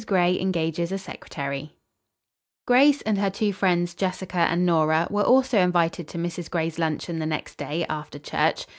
GRAY ENGAGES A SECRETARY Grace and her two friends, Jessica and Nora, were also invited to Mrs. Gray's luncheon the next day, after church.